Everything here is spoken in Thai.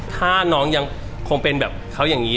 ถ้าน้องยังคงเป็นแบบเขาอย่างนี้